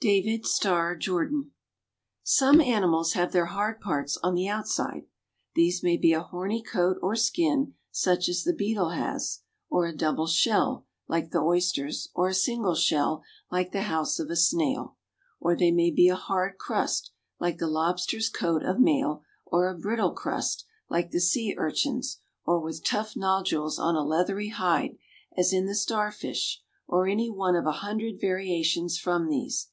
DAVID STARR JORDAN. Some animals have their hard parts on the outside. These may be a horny coat or skin, such as the beetle has, or a double shell, like the oyster's, or a single shell, like the house of a snail. Or they may be a hard crust, like the lobster's coat of mail, or a brittle crust, like the sea urchin's, or with tough nodules on a leathery hide, as in the star fish, or any one of a hundred variations from these.